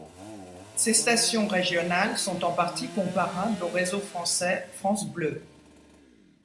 Ces stations régionales sont en partie comparables au réseau français France Bleu.